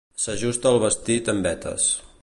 S'ajusta el vestit amb vetes.